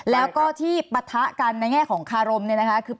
แล้วก็ที่ปะทะกันในแง่ของคารมเนี่ยนะคะคือ